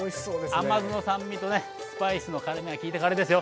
甘酢の酸味とねスパイスの辛みがきいたカレーですよ。